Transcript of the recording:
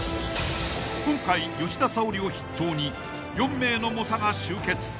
［今回吉田沙保里を筆頭に４名の猛者が集結］